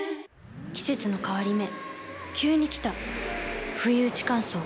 季節の変わり目急に来たふいうち乾燥。